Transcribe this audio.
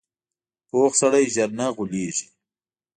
پوخ سړی ژر نه غولېږي